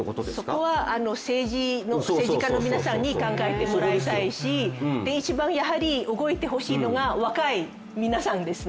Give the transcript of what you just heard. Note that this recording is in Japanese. そこは政治家の皆さんに考えてもらいたいし、一番動いてほしいのが若い皆さんですね、